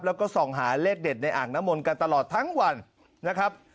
แล้วก็ส่องหาเลขเด็ดในอ่างน้ำมนต์กันตลอดทั้งวันนะครับ